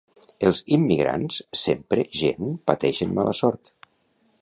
Els immigrants sempre gent pateixen mala sort.